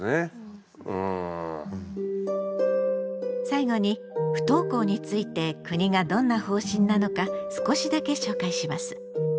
最後に不登校について国がどんな方針なのか少しだけ紹介します。